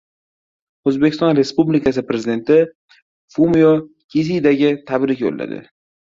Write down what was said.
O‘zbekiston Respublikasi Prezidenti Fumio Kisidaga tabrik yo‘lladi